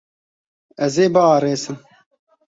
Ez ê biarêsim.